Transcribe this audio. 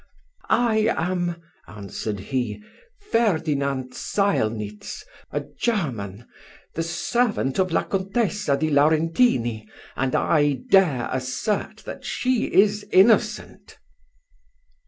"I am," answered he, "Ferdinand Zeilnitz, a German, the servant of La Contessa di Laurentini, and I dare assert that she is innocent."